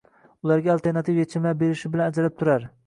ularga alternativ yechimlar berishi bilan ajralib turar